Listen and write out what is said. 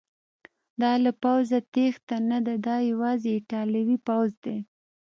دا له پوځه تیښته نه ده، دا یوازې ایټالوي پوځ دی.